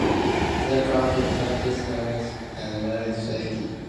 The craft returned to the spaceport and landed safely.